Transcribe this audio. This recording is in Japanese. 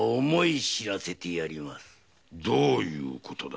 どういうことだ？